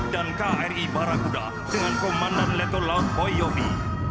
dan kri baraguda dengan komandan letkol laut boyobi